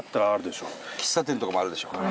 喫茶店とかもあるでしょうから。